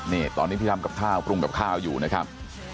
นี่ตอนนี้ที่ทำกับข้าวปรุงกับข้าวอยู่นะครับ